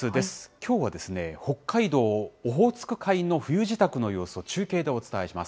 きょうは北海道、オホーツク海の冬支度の様子を中継でお伝えします。